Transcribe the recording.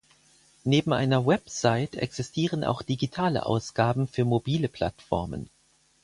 Neben einer Website existieren auch digitale Ausgaben für mobile Plattformen.